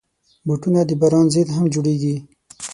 بوټونه د باران ضد هم جوړېږي.